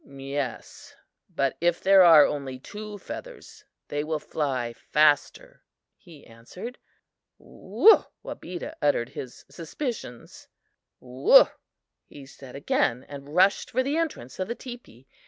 "Yes, but if there are only two feathers, they will fly faster," he answered. "Woow!" Wabeda uttered his suspicions. "Woow!" he said again, and rushed for the entrance of the teepee.